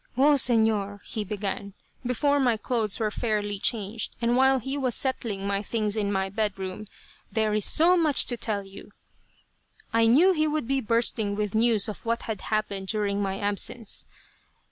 "Oh Señor," he began, before my clothes were fairly changed, and while he was settling my things in my bed room, "there is so much to tell you." I knew he would be bursting with news of what had happened during my absence.